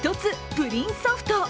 プリンソフト。